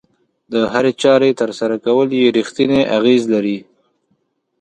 د هرې چارې ترسره کول يې رېښتینی اغېز لري.